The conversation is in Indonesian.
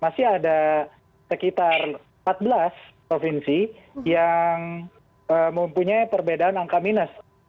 masih ada sekitar empat belas provinsi yang mempunyai perbedaan angka minus